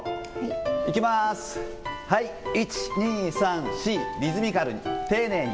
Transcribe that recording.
いきます、はい、１、２、３、４、リズミカルに、丁寧に。